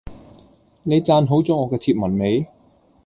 你讚好咗我嘅貼文未？